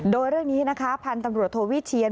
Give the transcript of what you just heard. โดยเรื่องนี้นะคะพันธุ์ตำรวจโทวิเชียน